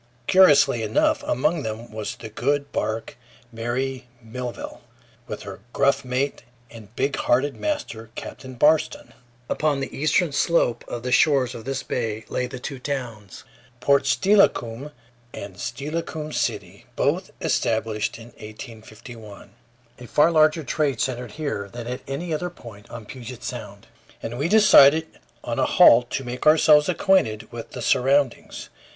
Curiously enough, among them was the good bark Mary Melville, with her gruff mate and big hearted master, Captain Barston. Upon the eastern slope of the shores of this bay lay the two towns, Port Steilacoom, and Steilacoom City, both established in 1851. A far larger trade centered here than at any other point on Puget Sound, and we decided on a halt to make ourselves acquainted with the surroundings.